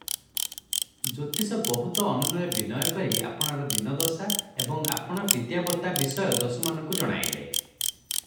ଜ୍ୟୋତିଷ ବହୁତ ଅନୁନୟ ବିନୟ କରି ଆପଣାର ଦୀନଦଶା ଏବଂ ଆପଣା ବିଦ୍ୟାବତ୍ତା ବିଷୟ ଦସ୍ୟୁମାନଙ୍କୁ ଜଣାଇଲେ ।